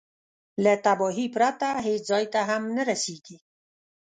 له تباهي پرته هېڅ ځای ته هم نه رسېږي.